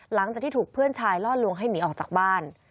หลังจากที่ถูกเพื่อนชายล่อลวงให้หนีออกจากบ้าน